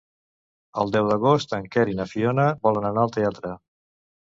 El deu d'agost en Quer i na Fiona volen anar al teatre.